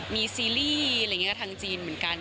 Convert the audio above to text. มีซีรีส์อะไรอย่างนี้ทางจีนเหมือนกัน